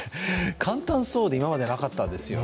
簡単そうで、今までなかったですよね。